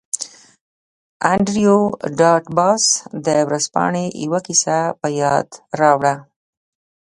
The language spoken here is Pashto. انډریو ډاټ باس د ورځپاڼې یوه کیسه په یاد راوړه